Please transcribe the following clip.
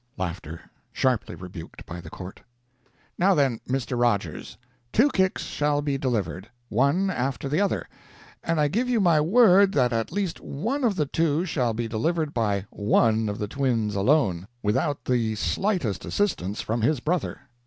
(Laughter. Sharply rebuked by the court.) "Now, then, Mr. Rogers, two kicks shall be delivered, one after the other, and I give you my word that at least one of the two shall be delivered by one of the twins alone, without the slightest assistance from his brother.